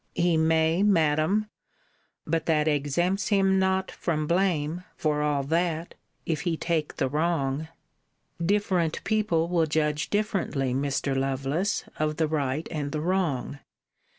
He may, Madam but that exempts him not from blame for all that, if he take the wrong Different people will judge differently, Mr. Lovelace, of the right and the wrong.